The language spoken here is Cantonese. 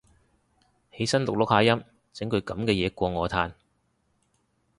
起身錄錄下音整句噉嘅嘢過我嘆